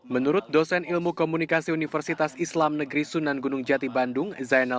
menurut dosen ilmu komunikasi universitas islam negeri sunan gunung jati bandung zainal